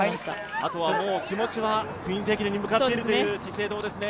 あとはもう、気持ちは「クイーンズ駅伝」に向かっているという資生堂ですね。